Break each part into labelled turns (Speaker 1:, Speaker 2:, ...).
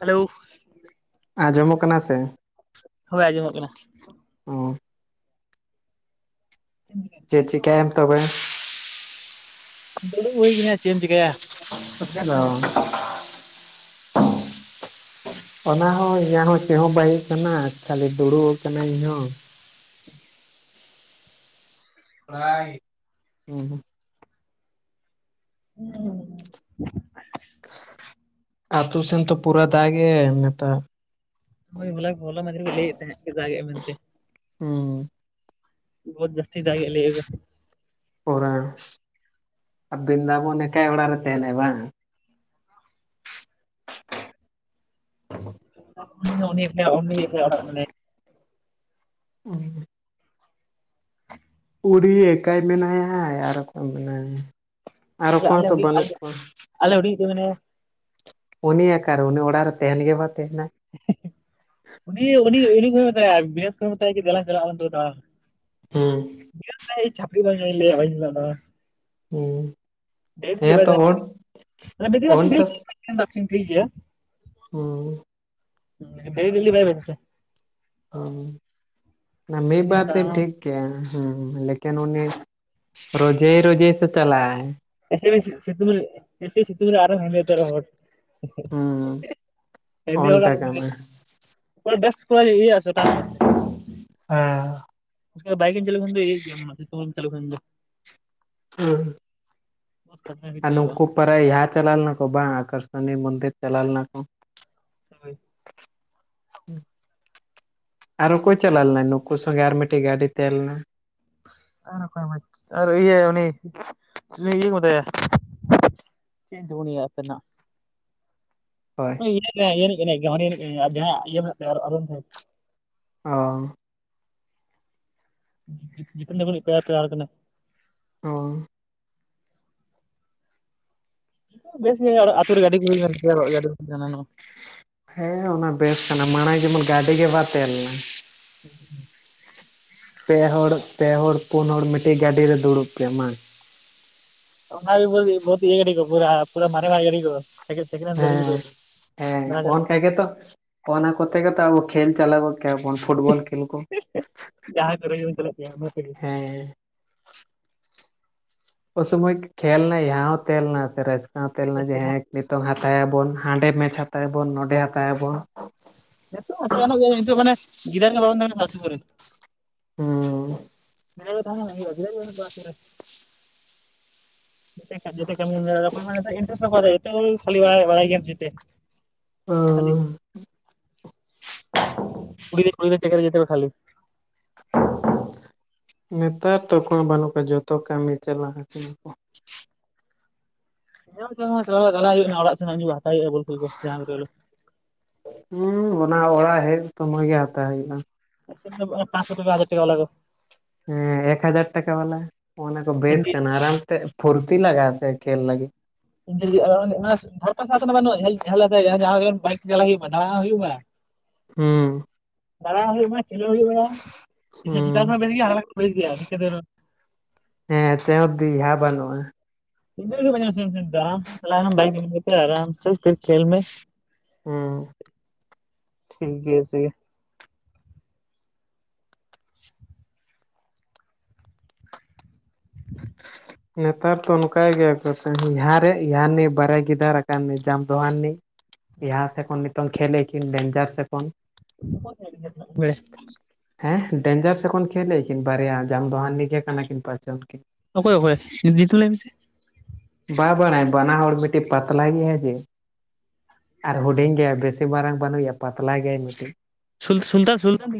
Speaker 1: Hello
Speaker 2: ᱟᱸᱡᱚᱢᱚᱜ ᱠᱟᱱᱟ ᱥᱮ?
Speaker 1: ᱦᱳᱭ ᱟᱸᱡᱚᱢᱚᱜ ᱠᱟᱱᱟ᱾
Speaker 2: ᱚ [inaudible]
Speaker 1: [inaudible]
Speaker 2: ᱪᱮᱜ ᱪᱮᱠᱟᱭᱟᱢ ᱛᱚᱵᱮ?
Speaker 1: ᱫᱩᱲᱩᱵ ᱦᱩᱭ ᱠᱟᱱᱟ ᱪᱮᱢ ᱪᱤᱠᱟᱭᱟ᱾
Speaker 2: [inaudible] [unintelligible] ᱚᱱᱟ ᱦᱚᱸ ᱤᱧᱟᱹᱜ ᱦᱚᱸ ᱪᱮᱫᱦᱚᱸ ᱪᱤᱠᱟᱹ ᱵᱟᱝ ᱦᱳᱭᱳᱜ ᱠᱟᱱᱟ ᱠᱷᱟᱹᱞᱤ ᱫᱩᱲᱩᱵ ᱠᱟᱱᱟ ᱤᱧ ᱦᱚᱸ᱾
Speaker 1: [inaudible]
Speaker 2: ᱯᱨᱟᱭ [inaudible]
Speaker 1: [unintelligible]
Speaker 2: ᱟᱛᱳ ᱥᱮᱱ ᱛᱚ ᱯᱩᱨᱟᱹ ᱫᱟᱜ ᱮᱜ ᱟᱭ ᱱᱮᱛᱟᱨ᱾
Speaker 1: ᱦᱳᱭ ᱦᱚᱞᱟ ᱦᱚᱞᱟ ᱢᱟᱫᱷᱮᱨ ᱠᱚ ᱞᱟᱹᱭ ᱮᱫ ᱛᱟᱦᱮᱜ, ᱡᱮ ᱫᱟᱜ ᱮᱫᱟᱭ ᱢᱮᱱᱛᱮ᱾
Speaker 2: ᱚᱸᱻ᱾
Speaker 1: ᱵᱚᱦᱚᱛ ᱡᱟᱹᱥᱛᱤ ᱫᱟᱜ ᱮᱭᱟᱭ ᱞᱮᱭᱮᱜ ᱟᱠᱚ᱾
Speaker 2: ᱯᱩᱨ [inaudible] ᱵᱤᱱ [inaudible] ᱮᱠᱟᱭ ᱚᱲᱟᱜ ᱨᱮ ᱛᱟᱦᱮᱱᱟᱭ ᱵᱟᱝ᱾ [inaudible]
Speaker 1: [unintelligible]
Speaker 2: ᱚᱸᱻ᱾ [inaudible] ᱮᱠᱟᱭ ᱢᱮᱱᱟᱭᱟ ᱟᱨ ᱚᱠᱭ ᱢᱮᱱᱟᱭ-ᱟ᱾ ᱟᱨ ᱚᱠᱚᱭ
Speaker 1: ᱟᱞᱮ
Speaker 2: ᱦᱚᱸᱛᱚ
Speaker 1: ᱦᱤᱰᱤᱧ
Speaker 2: ᱵᱟᱹᱱᱩᱜ
Speaker 1: ᱤᱡ
Speaker 2: ᱠᱚᱣᱟ
Speaker 1: ᱟᱞᱮ ᱦᱩᱰᱤᱧᱤᱡ ᱫᱚ ᱢᱮᱱᱟᱭ-ᱟ᱾
Speaker 2: ᱩᱱᱤ ᱟᱠᱟᱨᱮ ᱩᱱᱤ ᱚᱲᱟᱜ ᱨᱮ ᱛᱮᱦᱮᱱ ᱜᱮ ᱵᱟᱭ ᱛᱟᱦᱮᱱᱟ᱾
Speaker 1: ᱩᱱᱤᱻ ᱩᱱᱤᱻ ᱩᱱᱤᱻ ᱯᱮ ᱢᱮᱛᱟᱭᱟ ᱵᱤᱥᱮᱥ ᱠᱚᱨᱮ ᱢᱮᱛᱟᱭᱟ ᱠᱤ ᱫᱮᱞᱟᱝ ᱪᱟᱞᱟᱜ ᱟᱞᱟᱝ ᱛᱚᱵᱮ ᱫᱟᱬᱟᱱ᱾
Speaker 2: ᱦᱩᱸ᱾
Speaker 1: ᱩᱭᱦᱟᱹᱨ ᱫᱟᱭ ᱪᱷᱟᱯᱲᱤ ᱵᱟᱝ ᱫᱚᱧ ᱞᱟᱹᱭᱟ ᱦᱚᱭᱛᱳ ᱫᱟᱫᱟ?
Speaker 2: ᱦᱩᱸ, ᱦᱮᱸ ᱛᱚ ᱳᱴ, ᱚᱱ ᱛᱚ᱾
Speaker 1: ᱠᱤᱢ ᱵᱟᱹᱠᱷᱨᱤᱧ ᱴᱷᱤᱠ ᱜᱤᱭᱟ?
Speaker 2: ᱦᱩᱸ᱾
Speaker 1: ᱫᱮ ᱫᱤᱞᱤ ᱵᱟᱭ ᱵᱟᱱᱪᱟ᱾
Speaker 2: ᱦᱩᱸᱦᱩᱸ᱾ᱚᱱᱟ ᱢᱤ
Speaker 1: ᱰᱮᱞᱤᱢ
Speaker 2: ᱵᱟᱨ ᱫᱤᱱ
Speaker 1: ᱫᱟᱬᱟᱱᱟ
Speaker 2: ᱴᱷᱤᱠ ᱠᱮᱭᱟ ᱦᱩᱸ, ᱞᱮᱠᱤᱱ ᱩᱱᱤᱮ ᱨᱳᱡᱮᱭ ᱨᱳᱡᱮᱭ ᱥᱮ ᱪᱟᱞᱟᱜ ᱟᱭ᱾
Speaker 1: ᱮᱛᱳ ᱵᱮᱥᱤᱭ ᱥᱤᱛᱩᱝ ᱞᱮᱜᱼᱟ ᱥᱤᱥᱤᱨ ᱥᱤᱛᱩᱝ ᱨᱮ ᱟᱨᱚ ᱦᱮᱸᱫᱮ ᱩᱛᱟᱹᱨᱚᱜᱼᱟ ᱦᱚᱲ, ᱦᱮᱸᱫᱮ ᱦᱚᱲ ᱟᱨ ᱠᱚᱞ ᱵᱮᱠᱥ ᱠᱷᱚᱡ ᱤᱭᱟᱹ ᱟ ᱥᱮ ᱚᱴᱟᱝᱚᱜᱼᱟ ᱥᱮ? ᱤᱥᱠᱟᱨ ᱵᱟᱭᱤᱠ ᱤᱧ ᱪᱟᱹᱞᱩ ᱠᱷᱟᱱ ᱫᱚ ᱤᱭᱟᱹᱜ ᱜᱮᱭᱟ, ᱢᱚᱡᱛᱮ ᱵᱟᱢ ᱪᱟᱞᱩ ᱠᱷᱟᱱ ᱫᱚ᱾
Speaker 2: ᱦᱩᱸ᱾
Speaker 1: ᱵᱚᱦᱩᱛ ᱠᱷᱟᱛᱨᱟ ᱜᱮ
Speaker 2: ᱟᱨ
Speaker 1: ᱪᱟᱹᱞᱩᱜᱼᱟ
Speaker 2: ᱱᱩᱝᱠᱩ ᱯᱟᱨᱟᱭ ᱦᱟᱸ ᱪᱟᱞᱟᱣ ᱞᱮᱱᱟ ᱠᱚ ᱵᱟᱝ, ᱟᱠᱟᱨ ᱥᱚᱱᱤ ᱢᱚᱱᱫᱤᱨ ᱪᱟᱞᱟᱣ ᱞᱮᱱᱟ ᱠᱚ᱾
Speaker 1: ᱥᱟᱸᱜᱟᱹᱭ᱾ [unintelligible]
Speaker 2: ᱟᱨ ᱚᱠᱚᱭ ᱪᱟᱞᱟᱣ ᱞᱮᱱᱟᱭ ᱱᱩᱠᱩ ᱥᱚᱸᱜᱮ ᱟᱨ ᱢᱤᱫᱴᱤᱡ ᱜᱟᱹᱰᱤ ᱛᱮᱦᱮᱸ ᱞᱮᱱᱟ?
Speaker 1: ᱟᱨ ᱚᱠᱚᱭ ᱢᱟ ᱟᱨ ᱤᱭᱟᱹ ᱩᱱᱤ ᱩᱱᱤ ᱤᱭᱟᱹ ᱠᱚ ᱢᱮᱛᱟᱭᱟ᱾ ᱪᱤᱫ ᱧᱩᱛᱩᱢ ᱩᱱᱤᱭᱟᱜ ᱥᱟᱹᱨᱤ ᱱᱟᱜ?
Speaker 2: ᱦᱳᱭ
Speaker 1: ᱤᱭᱟᱹᱨ ᱱᱟᱭ ᱤᱭᱟᱹ ᱨᱤᱱᱤᱡ ᱠᱟᱱᱟᱭ ᱩᱱᱤ ᱩᱱᱤ ᱟᱨ ᱡᱟᱦᱟᱸ ᱤᱭᱟᱹ ᱢᱮᱱᱟᱜ ᱛᱟᱭ ᱚᱲᱚᱜ ᱚᱲᱚᱜ ᱢᱩᱠᱷ᱾ [unintelligible]
Speaker 2: ᱚ᱾
Speaker 1: ᱡᱤᱯᱮᱱ ᱛᱟᱠᱩ ᱨᱤᱯᱮᱭᱟᱨ ᱯᱨᱟᱨ ᱠᱟᱱᱟ᱾
Speaker 2: ᱚᱸ᱾
Speaker 1: ᱵᱮᱥ ᱜᱮ ᱟᱨ ᱟᱛᱩ ᱨᱮ ᱜᱟᱹᱰᱤ ᱠᱚ ᱦᱩᱭ ᱞᱮᱱ ᱥᱮᱱᱚᱜ ᱟᱹᱰᱤ ᱦᱟᱱᱟ ᱱᱚ᱾
Speaker 2: ᱦᱮᱸ ᱚᱱᱟ ᱵᱮᱥ ᱠᱟᱱᱟ ᱢᱟᱲᱟᱝ ᱡᱮᱢᱚᱱ ᱜᱟᱹᱰᱤ ᱜᱮ ᱵᱟ ᱛᱟᱦᱮᱸᱞᱮᱱᱟ᱾
Speaker 1: ᱩᱸ ᱦᱩᱸᱜ᱾
Speaker 2: ᱯᱮ ᱦᱚᱲ ᱯᱮ ᱦᱚᱲ ᱯᱩᱱ ᱦᱚᱲ ᱢᱤᱫᱴᱤᱡ ᱜᱟᱹᱰᱮ ᱨᱮ ᱫᱩᱲᱩᱵ ᱯᱮ ᱢᱟ᱾
Speaker 1: ᱚᱱᱟ ᱜᱮ ᱵᱟᱹᱛ ᱵᱚᱦᱩᱛ ᱤᱭᱟᱹ ᱜᱟᱹᱰᱤ ᱠᱩ ᱯᱩᱨᱟ ᱯᱩᱨᱟ ᱢᱟᱨᱮᱱᱟᱜ ᱜᱟᱹᱰᱤ ᱠᱩ᱾ ᱥᱟᱤᱠᱮᱱ ᱥᱮᱠᱮᱱᱦᱮᱱ ᱜᱟᱹᱰᱤ
Speaker 2: ᱦᱮᱸ
Speaker 1: ᱵᱚᱫᱚᱞ, ᱫᱟᱬᱟᱱ ᱪᱟᱞᱟᱜ
Speaker 2: ᱚᱱᱠᱟ ᱦᱮᱸ ᱜᱮᱛᱚ, ᱚᱱᱟ ᱠᱚᱛᱮ ᱜᱮᱛᱚ ᱟᱵᱚ ᱠᱷᱮᱞ ᱪᱟᱞᱟᱣ ᱜᱚᱫ ᱠᱮᱜᱼᱟ ᱵᱚᱱ᱾ ᱯᱷᱩᱴᱵᱚᱞ ᱠᱷᱮᱞ ᱠᱚ,
Speaker 1: ᱡᱟᱦᱟᱸᱭ ᱠᱚᱨᱮ ᱜᱮᱵᱚᱱ ᱪᱟᱞᱟᱜ ᱜᱮᱭᱟ ᱚᱱᱟ ᱛᱮᱜᱮ
Speaker 2: ᱦᱮᱸ᱾ ᱚ ᱥᱚᱢᱚᱭ ᱠᱷᱮᱞᱱᱟ ᱭᱟᱸᱦᱟ ᱦᱚᱸ ᱛᱮᱦᱮᱞᱮᱱᱟ ᱯᱨᱟᱭᱤᱪ ᱠᱚᱦᱚᱸ ᱛᱮᱦᱮᱞᱮᱱᱟ ᱡᱮᱦᱮᱸᱠ᱾ ᱱᱤᱛᱚᱝ ᱦᱟᱛᱟᱭᱟᱵᱚᱱ ᱦᱟᱸᱰᱮ ᱢᱮᱪ ᱦᱟᱛᱟᱭᱟᱵᱚᱱ ᱱᱚᱸᱰᱮ ᱦᱟᱛᱟᱭᱟᱵᱚᱱ᱾
Speaker 1: ᱱᱮᱛᱚᱜ ᱦᱟᱛᱟᱣ ᱜᱟᱱᱚᱜ ᱜᱮᱭᱟ ᱱᱤᱛᱚᱜ ᱢᱟᱱᱮ ᱜᱤᱨᱟᱱ [unintelligible] ᱵᱷᱟᱜᱜᱚ ᱠᱚ ᱨᱮ᱾
Speaker 2: ᱦᱩᱸ᱾
Speaker 1: ᱜᱤᱨᱟᱢ ᱨᱮ ᱛᱟᱦᱮᱸᱞᱮᱱᱟ ᱠᱷᱟᱜᱮ ᱦᱩᱭᱩᱜᱼᱟ ᱪᱮᱫᱟᱜ ᱪᱚ ᱩᱤᱟᱹᱜ ᱵᱟ ᱥᱩ ᱨᱮ᱾ ᱢᱤᱫ ᱴᱮᱱ ᱠᱟᱨᱡᱚ ᱛᱮ ᱠᱟᱹᱢᱤᱢ ᱧᱮᱞᱟ ᱛᱚᱠᱷᱚᱱ ᱢᱟᱱᱮ ᱤᱱᱴᱨᱮᱥᱴ ᱥᱟᱵᱚᱜ ᱟ ᱨᱮ ᱮᱴᱟ ᱳᱭ ᱠᱷᱟᱞᱤ ᱯᱟᱭᱮ ᱵᱟᱲᱟᱭ ᱜᱮᱭᱟᱢ ᱡᱤᱛᱮ᱾ ᱠᱷᱟᱞᱤ,
Speaker 2: ᱦᱩᱸ
Speaker 1: ᱠᱩᱲᱤ ᱜᱤᱫᱟᱹᱨ ᱠᱩᱲᱤ ᱪᱮᱠ ᱨᱮ ᱡᱟᱛᱮ ᱠᱚ ᱠᱷᱟᱞᱤ᱾
Speaker 2: [inaudible] ᱱᱮᱛᱟᱨ ᱛᱚ ᱚᱠᱚᱭ ᱦᱚ ᱵᱟᱹᱱᱩᱜ ᱠᱚᱣᱟ ᱡᱚᱛᱚ ᱠᱟᱹᱢᱤ ᱪᱟᱞᱟᱣ ᱟᱠᱟᱱᱟ ᱠᱚ᱾
Speaker 1: ᱪᱟᱞᱟᱣ ᱪᱟᱞᱟᱜ ᱦᱩᱭᱩᱜ ᱠᱟᱱᱟ ᱚᱲᱟᱜ ᱥᱮᱱᱟᱜ ᱜᱮ ᱦᱟᱛᱟᱣ ᱦᱩᱭᱩᱜᱼᱟ ᱵᱚᱞ ᱠᱷᱮᱞ ᱠᱚ ᱡᱟᱦᱟᱸ ᱞᱮᱠᱟ ᱨᱮ᱾
Speaker 2: ᱦᱩᱸ ᱚᱱᱟ ᱚᱲᱟᱜ ᱦᱮᱡ ᱥᱩᱢᱚᱭ ᱜᱮ ᱦᱟᱛᱟᱣ ᱦᱩᱭᱩᱜᱼᱟ᱾
Speaker 1: ᱟᱞᱮ ᱥᱮᱱ ᱫᱚ ᱯᱟᱸᱥᱥᱚ ᱴᱟᱠᱟ ᱦᱟᱡᱟᱨ ᱴᱟᱠᱟ ᱟᱞᱟᱜᱼᱟ᱾
Speaker 2: ᱦᱮᱸ ᱮᱠ ᱦᱟᱡᱟᱨ ᱴᱟᱠᱟ ᱵᱟᱞᱟ ᱚᱱᱟ ᱠᱚ ᱵᱮᱥ
Speaker 1: ᱤᱱᱰᱤ
Speaker 2: ᱠᱟᱱᱟ ᱟᱨᱟᱢ ᱛᱮ ᱯᱷᱩᱨᱛᱤ ᱞᱟᱜᱟᱜᱼᱟ ᱥᱮ ᱠᱷᱮᱞ ᱞᱟᱹᱜᱤᱫ᱾
Speaker 1: ᱤᱧ ᱴᱷᱮ ᱡᱩᱫᱤ ᱟᱨᱟᱣ [unintelligible] ᱠᱟᱱᱟ ᱥᱮ᱾ ᱫᱷᱟᱨ ᱯᱟᱥᱟ ᱦᱚᱸ ᱛᱚ ᱵᱟᱹᱱᱩᱜ ᱦᱮᱡ ᱦᱚᱞᱮᱛᱮ ᱡᱟᱦᱟᱸ ᱜᱮ ᱵᱟᱭᱤᱠ ᱛᱮ ᱪᱟᱞᱟᱜ ᱦᱩᱭᱩᱜ ᱢᱟ ᱫᱟᱬᱟᱱ ᱦᱩᱭᱩᱜ ᱢᱮ᱾
Speaker 2: ᱦᱩᱸ᱾
Speaker 1: ᱫᱟᱬᱟ ᱦᱚᱸ ᱦᱩᱭᱩᱜ ᱢᱟ ᱠᱷᱮᱞ ᱦᱚᱸ ᱦᱩᱭᱩᱜ ᱦᱚᱸ ᱤᱧ ᱦᱚ
Speaker 2: ᱦᱩᱸ
Speaker 1: ᱪᱮᱛᱟᱱ ᱠᱷᱚᱱᱟ ᱵᱮᱞ ᱜᱮᱭᱟ ᱟᱨᱠᱷᱟ ᱠᱩᱠᱞᱤ ᱜᱮᱭᱟ ᱱᱤᱠᱟᱹ ᱛᱮᱫᱚ
Speaker 2: ᱦᱮᱸ ᱪᱮ ᱚᱫ ᱫᱤᱦᱟᱸ ᱵᱟᱹᱱᱩᱜᱼᱟ᱾
Speaker 1: [unintelligible] ᱟᱨᱟᱢ ᱛᱮ ᱪᱟᱞᱟᱣ ᱮᱱᱟᱢ ᱵᱟᱭᱤᱠ ᱤᱫᱤ ᱠᱟᱛᱮ ᱟᱨᱟᱢ ᱥᱮ ᱯᱷᱤᱨ ᱠᱷᱮᱞ ᱢᱮ᱾
Speaker 2: ᱦᱩᱸ
Speaker 1: ᱴᱷᱤᱠ ᱜᱮᱭᱟ ᱥᱮ ᱜᱮ [unintelligible]
Speaker 2: ᱱᱮᱛᱟᱨ ᱫᱚ ᱚᱱᱠᱟ ᱜᱮᱭᱟᱭ ᱠᱚᱥᱮ ᱫᱷᱟᱨᱮ ᱤᱦᱟᱨᱱᱤ ᱵᱟᱨᱭᱟ ᱜᱤᱫᱟᱹᱨ ᱟᱠᱟᱱᱤ ᱡᱟᱢ ᱫᱚᱦᱟ ᱨᱤᱱᱤᱡ ᱤᱦᱟ ᱥᱮ ᱠᱷᱚᱱ ᱱᱤᱛᱚᱝ ᱠᱷᱮᱞᱮᱠᱤᱱ ᱰᱮᱧᱡᱟᱨ ᱥᱮᱠᱷᱚᱱ
Speaker 1: ᱩ [unintelligible] ᱮ
Speaker 2: ᱦᱮᱸ ᱰᱮᱧᱡᱟᱨ ᱥᱮ ᱠᱷᱚᱱ ᱠᱷᱮᱞᱼᱟ ᱠᱤᱱ ᱵᱟᱨᱭᱟ ᱡᱟᱢ ᱫᱚᱦᱟᱱᱤ ᱜᱮ ᱠᱟᱱᱟ ᱠᱤᱱ ᱯᱟᱪᱮ ᱩᱱᱚᱠᱤᱱ
Speaker 1: ᱚᱠᱚᱭ ᱚᱠᱚᱭ [inaudible] ᱞᱟᱹᱭ ᱢᱮᱥᱮ
Speaker 2: ᱵᱟ ᱵᱟᱲᱟᱭ ᱵᱟᱱᱟ ᱦᱚᱲ ᱢᱤᱫᱴᱤᱡ ᱯᱟᱛᱞᱟ ᱜᱮᱭᱟᱭ ᱡᱮ ᱟᱨ ᱦᱩᱰᱤᱧ ᱜᱮᱭᱟᱭ ᱵᱮᱥᱤ ᱢᱟᱨᱟᱝ ᱵᱟᱹᱱᱩᱭᱟ ᱯᱟᱛᱞᱟ ᱜᱮᱭᱟᱭ ᱢᱤᱫᱴᱤᱡ
Speaker 1: ᱥᱩ ᱩᱞᱛᱟᱱ ᱥᱩᱞᱛᱟᱱ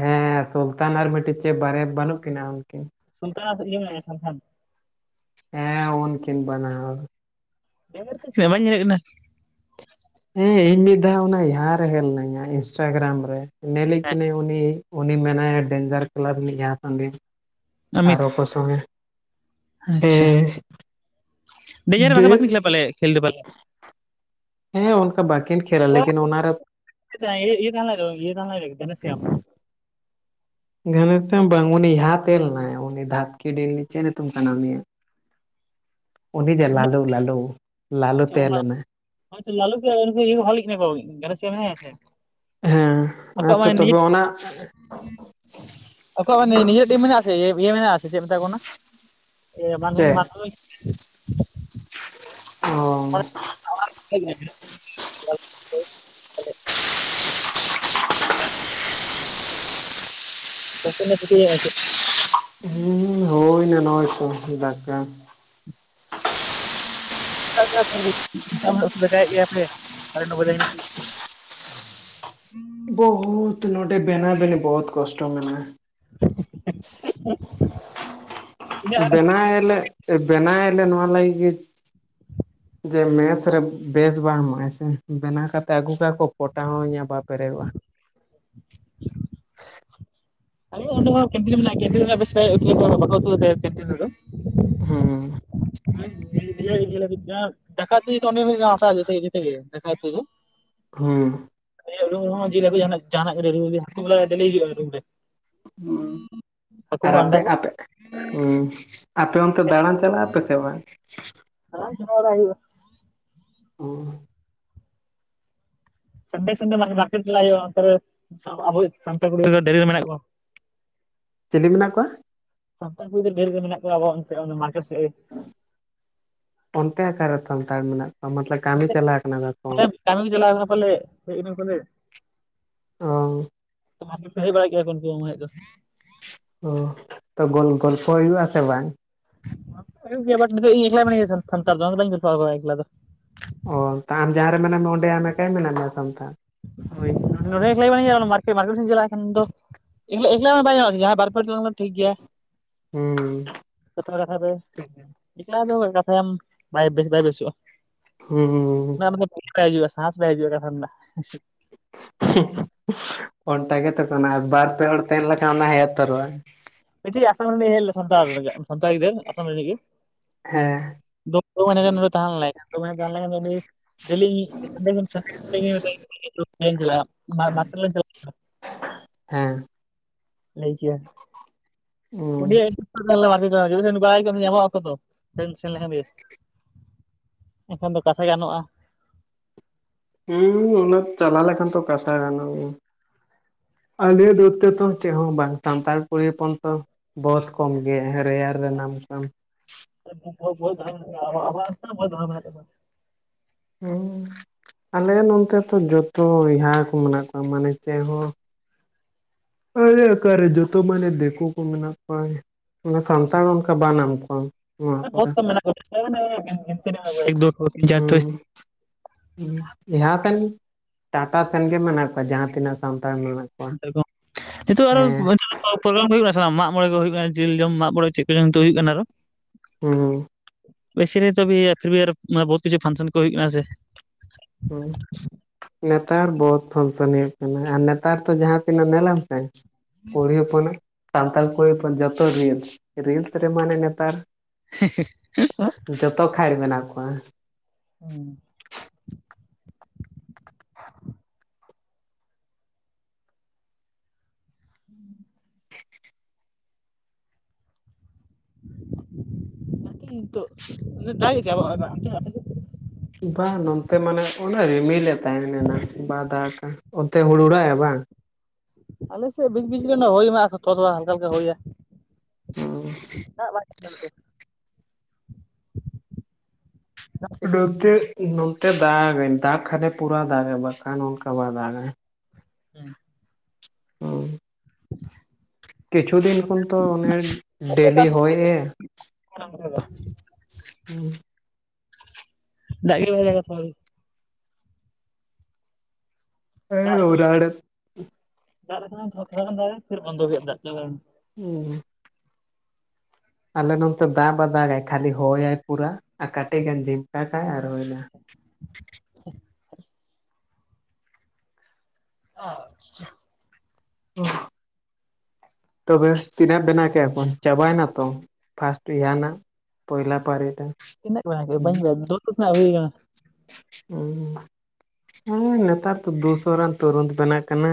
Speaker 2: ᱦᱮᱸ ᱥᱩᱞᱛᱟᱱ ᱟᱨ ᱢᱤᱫᱴᱤᱡ ᱪᱮᱫ ᱵᱟᱨᱭᱟ ᱵᱟᱹᱱᱩᱜ ᱠᱤᱱᱟᱹ ᱩᱱᱠᱤᱱ
Speaker 1: ᱥᱩᱞᱛᱟᱱ ᱟᱨ ᱤᱭᱟ ᱢᱮᱱᱟᱭᱟ ᱥᱟᱞᱠᱷᱟᱱ
Speaker 2: ᱦᱮᱸ ᱩᱱᱚ ᱠᱤᱱ ᱵᱟᱱᱟ ᱦᱚᱲ
Speaker 1: [inaudible] ᱵᱟᱹᱧ ᱧᱮᱞᱮᱫ ᱠᱤᱱᱟᱹ
Speaker 2: ᱦᱮᱸ ᱤᱧ ᱢᱤᱫ ᱫᱷᱟᱣ ᱚᱱᱟ ᱡᱟᱦᱟᱸᱨ ᱨᱮ ᱦᱮᱡ ᱞᱮᱱᱟᱹᱭ ᱧᱟ ᱤᱱᱥᱴᱟᱜᱨᱟᱢ ᱨᱮ ᱱᱮᱞᱮᱠᱤᱱᱟᱹ
Speaker 1: ᱦᱮᱸ
Speaker 2: ᱠᱤᱱᱟᱹᱧ ᱩᱱᱤ ᱩᱱᱤ ᱢᱮᱱᱟᱭᱟ ᱰᱮᱧᱡᱟᱨ ᱠᱞᱟᱵᱽ ᱨᱤᱱ ᱡᱟᱦᱟᱸ [inaudible]
Speaker 1: ᱚᱢᱤᱛ
Speaker 2: ᱟᱨᱚᱠᱚ ᱥᱚᱝᱮ ᱮᱻ
Speaker 1: ᱟᱪᱪᱷᱟ ᱰᱮᱧᱡᱟᱨ ᱵᱟᱜᱮ ᱵᱟᱠᱤᱱ ᱠᱷᱮᱞᱟ ᱯᱟᱞᱮ ᱠᱷᱮᱞ ᱫᱚ ᱯᱟᱞᱮ
Speaker 2: ᱦᱮᱸ ᱚᱱᱠᱟ ᱵᱟᱹᱠᱤᱱ ᱠᱷᱮᱹᱞᱟ ᱞᱮᱠᱤᱱ ᱚᱱᱟᱨᱮ
Speaker 1: [inaudible]
Speaker 2: ᱜᱷᱟᱱᱮᱛᱮ ᱵᱟᱝ ᱩᱱᱤ ᱩᱱᱤ ᱡᱟᱸᱦᱟ ᱛᱮ ᱮᱞᱱᱟᱭ ᱩᱱᱤ ᱫᱷᱷᱟᱠᱤ ᱰᱤ ᱱᱤᱪ ᱪᱮᱫ ᱧᱩᱛᱩᱢ ᱠᱟᱱᱟ ᱩᱱᱤᱭᱟᱜ ᱩᱱᱤ ᱡᱮ ᱞᱟᱞᱩ ᱞᱟᱞᱩ ᱞᱟᱞᱩ ᱛᱮᱞᱱᱮᱟ
Speaker 1: ᱦᱚᱭ ᱛᱚ ᱞᱟᱞᱩ ᱜᱮ ᱱᱩᱠᱩ ᱤᱭᱟᱹ [inaudible] ᱞᱤᱱᱟ ᱠᱚ [inaudible] ᱢᱮᱱᱟᱭᱼᱟ ᱥᱮ
Speaker 2: ᱦᱮᱸ
Speaker 1: ᱟᱠᱳᱭᱟᱜ
Speaker 2: ᱟᱪᱪᱷᱟ
Speaker 1: ᱢᱟᱭ
Speaker 2: ᱛᱚᱵᱮ
Speaker 1: ᱱᱤᱛ
Speaker 2: ᱚᱱᱟ
Speaker 1: ᱟᱠᱳᱭᱟᱜ ᱢᱟ ᱱᱤᱡ ᱱᱤᱡᱮᱨᱟᱹ ᱴᱤᱢ ᱢᱮᱱᱟᱜ ᱟᱥᱮ ᱤᱭᱟᱹ ᱢᱮᱱᱟᱜ ᱟᱥᱮ [inaudible] ᱪᱮᱫ ᱢᱮᱛᱟ ᱠᱚ ᱠᱟᱱᱟ ᱮ ᱢᱟᱱᱵᱷᱩᱢ ᱢᱟᱱ
Speaker 2: [inaudible] ᱚᱸ
Speaker 1: [unintelligible]
Speaker 2: [unintelligible]
Speaker 1: [inaudible]
Speaker 2: ᱦᱩᱸᱢ ᱦᱳᱭᱱᱟ ᱱᱚᱭ ᱥᱚ [inaudible] ᱫᱟᱠᱟ
Speaker 1: [inaudible]
Speaker 2: ᱵᱚᱦᱩᱛ ᱱᱚᱰᱮᱸ ᱵᱮᱱᱟ ᱵᱤᱱᱤ ᱵᱚᱦᱩᱛ ᱠᱚᱥᱚᱴᱚ ᱢᱮᱱᱟᱜᱼᱟ
Speaker 1: [inaudible]
Speaker 2: ᱵᱮᱱᱟᱣ ᱟᱞᱮ ᱵᱮᱱᱟᱣ ᱟᱞᱮ ᱱᱚᱣᱟ ᱞᱟᱹᱜᱤᱫ ᱜᱮ ᱡᱮ ᱢᱮᱥ ᱨᱮ ᱵᱮᱥ ᱵᱟᱝ ᱮᱢᱚᱜᱟᱭ ᱥᱮ ᱵᱮᱱᱟᱣ ᱠᱟᱛᱮ ᱟᱹᱜᱩ ᱠᱟᱜ ᱠᱚᱴᱟ ᱦᱚᱸ ᱤᱧᱟᱹᱜ ᱵ [inaudible] ᱯᱮᱨᱮᱜᱼᱟ
Speaker 1: ᱟᱞᱮᱭᱟᱜ ᱦᱚᱛᱚ ᱠᱮᱱᱴᱤᱱ ᱢᱮᱱᱟᱜᱼᱟ ᱠᱮᱱᱴᱤᱱ ᱨᱮᱫᱚ ᱵᱮᱥ ᱛᱮ ᱩᱛᱩ ᱵᱟᱠᱳ ᱩᱛᱩ ᱟᱞᱮᱭᱟ ᱠᱮᱱᱴᱤᱱ ᱨᱮᱫᱚ
Speaker 2: ᱦᱩᱸ
Speaker 1: [inaudible] [inaudible]
Speaker 2: ᱦᱩᱸ
Speaker 1: ᱩᱱᱤᱭᱟᱜ ᱨᱩᱢ ᱨᱮᱦᱚᱸ ᱡᱤᱞ ᱦᱟᱹᱠᱩ ᱡᱟᱦᱟᱱᱟᱜ ᱜᱮ ᱰᱮᱞᱦᱤ ᱟᱼᱦᱟᱹᱠᱩ ᱰᱚᱞᱮ ᱰᱮᱞᱤ ᱦᱤᱡᱩᱜᱼᱟ ᱨᱩᱢ ᱨᱮ
Speaker 2: ᱚᱸ
Speaker 1: ᱦᱟᱹᱠᱩ
Speaker 2: ᱟᱨ
Speaker 1: ᱠᱚ
Speaker 2: ᱟᱯᱮ
Speaker 1: ᱟᱱᱰᱟ ᱠᱚ
Speaker 2: ᱟᱯᱮ ᱚᱸ ᱟᱯᱮ ᱚᱱᱛᱮ ᱫᱟᱬᱟᱱ ᱪᱟᱞᱟᱜ ᱟᱯᱮ ᱥᱮ ᱵᱟᱝ?
Speaker 1: ᱪᱟᱞᱟᱣ ᱪᱟᱞᱟᱣ ᱵᱟᱲᱟ ᱦᱩᱭᱩᱜᱼᱟ
Speaker 2: ᱚᱸ
Speaker 1: ᱥᱚᱱᱰᱮ ᱥᱚᱱᱰᱮ ᱢᱟᱱᱮ ᱢᱟᱨᱠᱮᱴ ᱦᱩᱭᱩᱜᱼᱟ ᱚᱱᱚᱛᱮᱨᱮ ᱟᱵᱳ ᱥᱟᱱᱛᱟᱲ ᱠᱚ ᱜᱮ [inaudible] ᱢᱮᱱᱟᱜ ᱠᱚᱣᱟ
Speaker 2: ᱪᱤᱞᱤ ᱢᱮᱱᱟᱜ ᱠᱚᱣᱟ?
Speaker 1: ᱥᱟᱱᱛᱟᱲ ᱜᱤᱫᱟᱹᱨ ᱰᱷᱮᱨ ᱜᱮ ᱢᱮᱱᱟᱜ ᱠᱚᱣᱟ ᱟᱵᱚ ᱚᱱᱛᱮ ᱚᱱᱟ ᱢᱟᱨᱠᱮᱴ ᱥᱮᱫ ᱨᱮ
Speaker 2: ᱚᱱᱛᱮ ᱚᱠᱟᱨᱮ ᱥᱟᱱᱛᱟᱲ ᱢᱮᱱᱟᱜ ᱠᱚᱣᱟ ᱢᱚᱛᱞᱚᱵ ᱠᱟᱹᱢᱤ ᱪᱟᱞᱟᱣ ᱠᱟᱱᱟ ᱛᱠᱚ
Speaker 1: ᱠᱟᱹᱢᱤ ᱠᱚ ᱪᱟᱞᱟᱣ ᱠᱟᱱᱟ ᱯᱟᱞᱮ ᱦᱳᱭᱚᱱᱟᱠᱚᱨᱮ
Speaker 2: ᱚ
Speaker 1: ᱛᱚ ᱢᱟᱨᱠᱮᱴ ᱠᱚ ᱦᱮᱡ ᱵᱟᱲᱟᱜ ᱜᱮᱭᱟ ᱠᱚ [inaudible]
Speaker 2: ᱚ ᱛᱚ ᱜᱚᱞ ᱜᱚᱞᱯᱚ ᱦᱩᱭᱩᱜ ᱟ ᱥᱮ ᱵᱟᱝ
Speaker 1: ᱦᱩᱭᱩᱜ ᱜᱮᱭᱟ ᱵᱟᱴ ᱱᱤᱛᱳᱜ ᱤᱧ ᱮᱠᱞᱟ ᱢᱤᱱᱟᱹᱧᱟ ᱥᱟᱱᱛᱟᱲ ᱫᱚ [inaudible]
Speaker 2: ᱚ ᱛᱚ ᱟᱢ ᱡᱟᱦᱟᱸ ᱨᱮ ᱢᱮᱱᱟᱢ ᱢᱮᱭᱟ ᱚᱸᱰᱮ ᱟᱢ ᱮᱠᱟᱭ ᱢᱮᱱᱟᱜ ᱢᱮᱭᱟ ᱥᱟᱱᱛᱟᱲ
Speaker 1: ᱦᱳᱭ [inaudible] ᱪᱟᱞᱟᱜ ᱠᱷᱟᱱ ᱫᱚ [inaudible]
Speaker 2: ᱦᱩᱸ
Speaker 1: ᱡᱚᱛᱚ ᱠᱟᱛᱷᱟ ᱫᱚ ᱴᱷᱤᱠ ᱜᱮᱭᱟ ᱮᱠᱞᱟ ᱫᱚ ᱠᱟᱛᱷᱟᱭᱟᱢ ᱵᱟᱭ ᱵᱮᱥ ᱵᱟᱭ ᱵᱮᱥᱚᱜᱼᱟ
Speaker 2: ᱦᱩᱸ ᱦᱩᱸ ᱦᱩᱸ
Speaker 1: [inaudible] ᱥᱟᱦᱚᱥ ᱵᱟᱭ ᱦᱤᱡᱩᱜᱼᱟ ᱠᱟᱛᱷᱟ ᱨᱮᱱᱟᱜ
Speaker 2: ᱚᱱᱴᱟ ᱜᱮᱛᱚ ᱠᱚᱱᱟ ᱵᱟᱨ ᱯᱮ ᱛᱟᱦᱮ ᱞᱮᱱᱠᱷᱟᱱ ᱚᱱᱟ ᱦᱮᱸ ᱩᱛᱟᱹᱨᱚᱜᱼᱟ
Speaker 1: ᱢᱤᱫᱴᱤᱡ ᱟᱥᱟᱢ ᱨᱮᱱᱤᱡ ᱦᱮᱡ ᱞᱮᱱᱟ ᱥᱟᱱᱛᱟᱲ ᱥᱟᱱᱛᱟᱲ ᱜᱤᱫᱟᱹᱨ ᱟᱥᱟᱢ ᱨᱤᱱᱤᱡ ᱜᱮ
Speaker 2: ᱦᱮᱸ
Speaker 1: [unintelligible] ᱰ [inaudible]
Speaker 2: ᱦᱮᱸ
Speaker 1: ᱞᱟᱹᱭᱠᱮᱭᱟ
Speaker 2: ᱦᱩᱸ
Speaker 1: ᱩᱱᱤᱭᱟᱜ [inaudible] ᱧᱟᱢᱚᱜ ᱟᱠᱚ ᱛᱚ ᱥᱮᱱ ᱞᱮᱠᱷᱟᱱ ᱜᱮ ᱮᱱᱠᱷᱟᱱ ᱫᱚ ᱠᱟᱛᱷᱟ ᱜᱟᱱᱚᱜᱼᱟ
Speaker 2: ᱦᱩᱸ ᱩᱱᱟ ᱪᱟᱞᱟᱣ ᱞᱮᱠᱷᱟᱱ ᱛᱚ ᱠᱟᱛᱷᱟ ᱜᱟᱱᱚᱜ ᱜᱮᱭᱟ ᱟᱞᱮ ᱱᱚᱛᱮ ᱫᱚ ᱪᱮᱫ ᱦᱚᱸ ᱵᱟᱝ ᱥᱟᱱᱛᱟᱲ ᱠᱩᱲᱤ ᱦᱚᱯᱚᱱᱛᱚ ᱵᱚᱦᱚᱛ ᱠᱚᱢ ᱜᱮ ᱨᱮᱭᱟᱨ ᱨᱮ ᱱᱟᱢ ᱥᱟᱢ
Speaker 1: [inaudible]
Speaker 2: ᱦᱮᱸ ᱟᱞᱮ ᱱᱚᱱᱛᱮ ᱫᱚ ᱡᱚᱛᱚ ᱮᱦᱟ ᱠᱚ ᱢᱮᱱᱟᱜ ᱠᱚᱣᱟ ᱢᱟᱱᱮ ᱪᱮᱫ ᱦᱚᱸ ᱟᱞᱮ ᱚᱠᱟᱨᱮ ᱡᱚᱛᱚ ᱢᱟᱱᱮ ᱫᱮᱠᱩ ᱠᱚ ᱢᱮᱱᱟᱜ ᱠᱚᱣᱟ ᱢᱟᱱᱮ ᱥᱟᱱᱛᱟᱲ ᱚᱱᱠᱟ ᱵᱟ ᱱᱟᱢ ᱠᱚᱣᱟᱢ
Speaker 1: [inaudible]
Speaker 2: ᱮᱦᱟ ᱛᱮᱱ ᱴᱟᱴᱟ ᱥᱮᱱ ᱜᱮ ᱢᱮᱱᱟᱜ ᱠᱚᱣᱟ ᱡᱟᱦᱟᱸ ᱛᱤᱱᱟᱹᱜ ᱥᱟᱱᱛᱟᱲ ᱢᱮᱱᱟᱜ ᱠᱚᱣᱟ
Speaker 1: ᱱᱤᱛᱳᱜ ᱟᱨᱚ
Speaker 2: ᱦᱮᱸ
Speaker 1: ᱦᱩᱭᱩᱜ ᱠᱟᱱᱟ ᱥᱮ ᱵᱟᱝ ᱢᱟᱜ ᱢᱚᱬᱮ ᱠᱚ ᱦᱩᱭᱩᱜ ᱠᱟᱱᱟ ᱡᱤᱞ ᱡᱚᱢ ᱢᱟᱜ ᱢᱚᱬᱮ ᱪᱮᱫ ᱠᱚᱪᱚᱝ ᱦᱩᱭᱩᱜ ᱠᱟᱱᱟ ᱟᱨᱚ
Speaker 2: ᱦᱩᱸᱦᱩᱸ
Speaker 1: ᱢᱟᱱᱮ ᱵᱚᱦᱩᱛ ᱠᱤᱪᱷᱩ ᱯᱷᱟᱱᱥᱮᱱ ᱠᱚ ᱦᱩᱭᱩᱜ ᱠᱟᱱᱟ ᱥᱮ
Speaker 2: ᱦᱳᱭ ᱱᱮᱛᱟᱨ ᱵᱚᱦᱩᱛ ᱯᱷᱟᱱᱥᱚᱱ ᱦᱩᱭᱩᱜ ᱠᱟᱱᱟ ᱟᱨ ᱱᱮᱛᱟᱨ ᱛᱚ ᱡᱟᱦᱟᱸ ᱛᱤᱱᱟᱹᱜ ᱧᱮᱞᱟᱢ ᱥᱮ ᱠᱩᱲᱤ ᱦᱚᱯᱚᱱᱟᱜ ᱥᱟᱱᱛᱟᱲ ᱠᱩᱲᱤ ᱦᱚᱯᱚᱱ ᱡᱚᱛᱚ ᱨᱤᱞᱥ ᱨᱤᱞᱥ ᱨᱮ ᱢᱟᱱᱮ ᱱᱮᱛᱟᱨ ᱡᱚᱛᱚ ᱠᱷᱟᱱ ᱢᱮᱱᱟᱜ ᱠᱚᱣᱟ
Speaker 1: ᱦᱩᱸ ᱦᱮᱸ ᱟᱨᱠᱤ ᱱᱤᱛᱳᱜ ᱫᱟᱜ ᱜᱮᱜ ᱜᱮᱭᱟᱭ ᱚᱱᱛᱮ ᱟᱯᱮᱥᱮᱫ
Speaker 2: ᱵᱟᱝ ᱱᱚᱱᱛᱮ ᱢᱟᱱᱮ ᱚᱱᱮ ᱨᱤᱢᱤᱞᱮ ᱛᱟᱦᱮ ᱮᱱᱟᱝ ᱵᱟ ᱫᱟᱜᱠᱟᱜᱼᱟ ᱚᱱᱛᱮ ᱦᱩᱲᱩ ᱦᱩᱲᱟᱣᱮᱜᱼᱟ ᱵᱟᱝ
Speaker 1: ᱟᱞᱮᱥᱮᱫ ᱵᱤ ᱵᱤᱡᱞᱤ ᱨᱮᱱᱟᱜ [inaudible] ᱛᱷᱚᱲᱟ ᱦᱟᱞᱠᱟ ᱦᱟᱞᱠᱟ ᱦᱩᱭᱟ
Speaker 2: ᱚ
Speaker 1: ᱫᱟᱜ ᱵᱟᱭ ᱫᱟᱜ ᱮᱫᱟ ᱱᱚᱛᱮ ᱫᱟᱜ ᱥᱤᱥᱴᱮᱢ ᱦᱩᱸ,
Speaker 2: ᱱᱚᱛᱮ ᱱᱚᱱᱛᱮ ᱫᱟᱜᱟᱭ ᱫᱟᱜ ᱠᱷᱟᱱᱮ ᱯᱩᱨᱟ ᱫᱟᱜᱟᱭ ᱵᱟᱝᱠᱷᱟᱱ ᱚᱱᱠᱟ ᱵᱟᱭ ᱫᱟᱜᱟᱭ
Speaker 1: ᱦᱮᱸ
Speaker 2: ᱦᱩᱸ ᱠᱤᱪᱷᱩ ᱫᱤᱱ ᱠᱷᱚᱱᱛᱚ ᱚᱱᱮ ᱰᱮᱞᱤ ᱦᱚᱭᱮᱜᱼᱮ
Speaker 1: ᱚᱱᱟ ᱠᱚᱫᱚ ᱵᱟᱸ
Speaker 2: ᱦᱮᱸ [unintelligible]
Speaker 1: ᱫᱟᱜ ᱜᱤ ᱵᱷᱟᱞᱮ ᱜᱟᱥᱟᱣ ᱫᱟᱜ
Speaker 2: ᱦᱮᱸ
Speaker 1: ᱞᱮᱠᱷᱟᱱ
Speaker 2: ᱚᱨᱟᱲ
Speaker 1: ᱫᱟᱜ ᱞᱮᱠᱷᱟᱱ ᱛᱷᱚᱲᱟ ᱜᱟᱱ ᱫᱟᱜᱟᱭ ᱯᱷᱤᱨ ᱵᱚᱱᱫᱚ ᱠᱮᱜ ᱫᱟᱜ ᱪᱟᱵᱟᱭ ᱱᱟ
Speaker 2: ᱩᱸ ᱟᱞᱮ ᱱᱛᱮ ᱫᱟᱜ ᱵᱟ ᱫᱟᱜᱟᱭ ᱠᱷᱟᱹᱞᱤ ᱦᱚᱭᱟᱭ ᱯᱩᱨᱟᱹ ᱟᱨ ᱠᱟᱹᱴᱤᱡ ᱜᱟᱱ ᱡᱷᱤᱢᱠᱟ ᱠᱟᱭ ᱟᱨ ᱦᱩᱭᱱᱟ
Speaker 1: [inaudible] ᱟᱪᱪᱷᱟ
Speaker 2: ᱦᱮ [unintelligible] ᱛᱚᱵᱮ ᱛᱤᱱᱟᱹᱜ ᱵᱮᱱᱟᱣ ᱠᱮᱭᱟᱵᱚᱱ ᱪᱟᱵᱟᱭᱱᱟ ᱛᱚ ᱯᱷᱟᱥᱴ ᱭᱟᱱᱟᱜ ᱯᱚᱭᱞᱟ ᱯᱟᱨᱤᱴᱟ
Speaker 1: ᱛᱤᱱᱟᱹᱜ ᱠᱟᱱᱟ ᱵᱟᱹ ᱧ ᱵᱟᱰᱟᱭᱟ ᱡᱚᱛᱚ ᱴᱩᱠᱩᱱᱟᱜ ᱦᱳᱭ ᱠᱟᱱᱟ
Speaker 2: ᱦᱮᱸ ᱱᱮᱛᱟᱨ ᱫᱚ ᱫᱩᱥᱚ ᱨᱟᱱ ᱛᱩᱨᱩᱫ ᱵᱮᱱᱟᱜ ᱠᱟᱱᱟ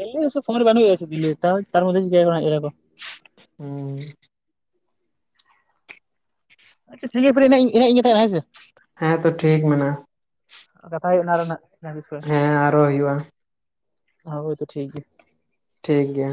Speaker 1: ᱫᱤᱞᱞᱤ ᱥᱚᱵ ᱠᱷᱚᱢ ᱨᱮ ᱵᱟᱝᱟᱱ ᱦᱩᱭᱭᱟᱪᱮ ᱫᱤᱞᱤ ᱛᱟᱨᱚᱫ ᱜᱮᱠᱚ
Speaker 2: ᱦᱩᱸ
Speaker 1: ᱟᱪᱪᱷᱟ ᱴᱷᱤᱠ ᱯᱟᱨᱤᱱᱟᱜ ᱜᱮᱱᱟᱜ ᱠᱟᱛᱷᱟᱭ ᱫᱟ ᱦᱳᱭ ᱥᱮ
Speaker 2: ᱦᱮᱸ ᱛᱚ ᱴᱷᱤᱠ ᱢᱮᱱᱟᱜᱼᱟ
Speaker 1: ᱠᱟᱛᱷᱟ ᱦᱩᱭᱩᱜ ᱱᱟ ᱟᱨᱦᱚᱸ ᱱᱟᱦ
Speaker 2: ᱦᱮᱸ ᱟᱨᱚ ᱦᱩᱭᱩᱜᱼᱟ
Speaker 1: ᱦᱳᱭ ᱛᱚ ᱴᱷᱤᱠ ᱜᱮᱭᱟ
Speaker 2: ᱴᱷᱤᱠ ᱜᱮᱭᱟ